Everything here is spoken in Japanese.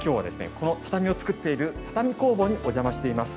この畳を作っている畳工房にお邪魔しています。